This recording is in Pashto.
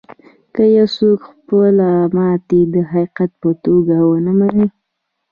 که يو څوک خپله ماتې د حقيقت په توګه و نه مني.